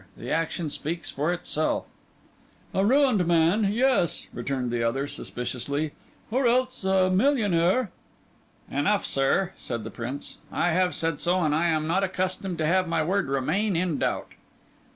The action speaks for itself." "A ruined man—yes," returned the other suspiciously, "or else a millionaire." "Enough, sir," said the Prince; "I have said so, and I am not accustomed to have my word remain in doubt."